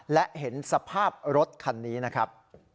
และเห็นสภาพรถคันนี้นะครับ